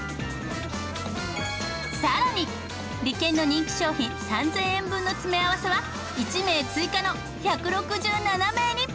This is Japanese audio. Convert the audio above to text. さらにリケンの人気商品３０００円分の詰め合わせは１名追加の１６７名にプレゼントします。